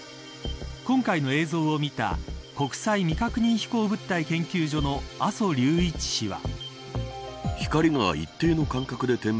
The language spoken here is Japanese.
今回の映像を見た国際未確認飛行物体研究所の阿曽隆一氏は。